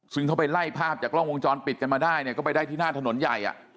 ซึ่งเขาไปไล่ภาพจากกล้องวงจรปิดกันมาได้เนี่ยก็ไปได้ที่หน้าถนนใหญ่